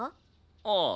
ああ。